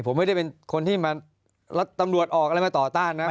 ผมไม่ได้เป็นคนที่มาตำรวจออกอะไรมาต่อต้านนะ